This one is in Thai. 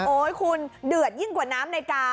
คุณเดือดยิ่งกว่าน้ำในกา